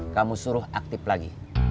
kamu suruh aktif lagi